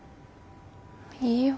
いいよ